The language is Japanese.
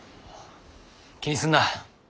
気にすんな。